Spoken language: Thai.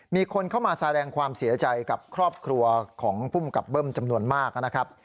มีคนเข้ามาแสดงความเสียใจกับครอบครัวของภูมิกับเบิ้มจำนวนมากนะครับ